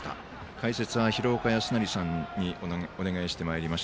解説は廣岡資生さんにお願いしております。